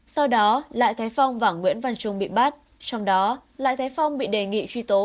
sau đó lại thái phong và nguyễn văn trung bị bắt trong đó lại thái phong bị đề nghị truy tố